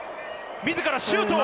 自らシュート！